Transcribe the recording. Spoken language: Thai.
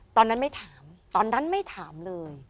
ตอนนั้นไม่ถามตอนนั้นไม่ถามเลย